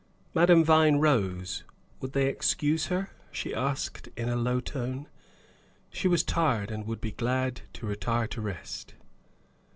Madame Vine rose. "Would they excuse her?" she asked, in a low tone; "she was tired and would be glad to retire to rest."